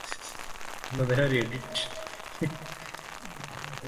এইরূপ না করিলে মন্ত্রীর বিরুদ্ধে এককালে-না-এককালে রাজার সন্দেহ ও আশঙ্কা জন্মিতে পারে।